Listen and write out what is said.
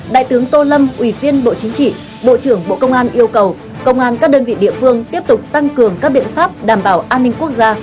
đại tướng tô lâm ủy viên bộ chính trị bộ trưởng bộ công an yêu cầu công an các đơn vị địa phương tiếp tục tăng cường các biện pháp đảm bảo an ninh quốc gia